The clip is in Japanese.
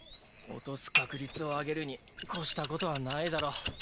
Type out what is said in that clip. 落とす確率を上げるに越したことはないだろ。